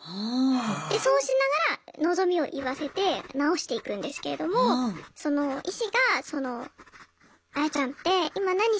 でそうしながら望みを言わせて治していくんですけれどもその医師がその私も子どもになっちゃってるんですね。